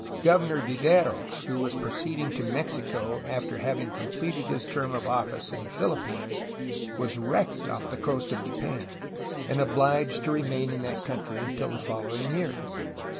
Governor Vivero, who was proceeding to Mexico after having completed his term of office in the Philippines, was wrecked off the coast of Japan, and obliged to remain in that country until the following year.